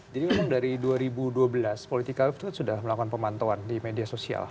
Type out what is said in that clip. jadi memang dari dua ribu dua belas politika wave itu sudah melakukan pemantauan di media sosial